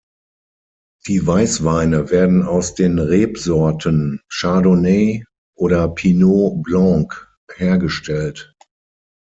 Die Weißweine werden aus den Rebsorten Chardonnay oder Pinot Blanc hergestellt.